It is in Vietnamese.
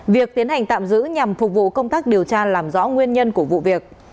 việc tiến hành tạm giữ nhằm phục vụ công tác điều tra làm rõ nguyên nhân của vụ việc